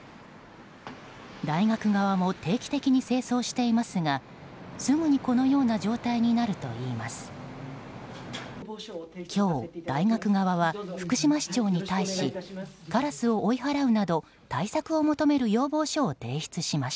大学側も定期的に清掃していますがすぐにこのような状態になるといいます。